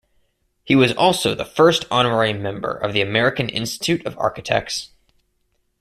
He was also the first honorary member of the American Institute of Architects.